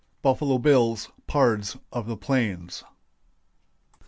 BUFFALO BILL'S "PARDS" OF THE PLAINS.